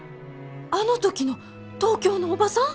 あの時の東京の叔母さん！？